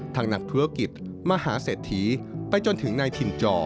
ทางหนักธุรกิจมหาเสถีไปจนถึงในถิ่นจอ